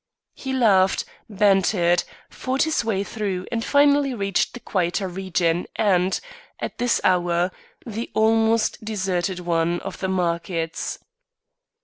He laughed, bantered, fought his way through and finally reached the quieter region and, at this hour, the almost deserted one, of the markets.